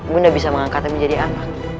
bunda bisa mengangkatnya menjadi anak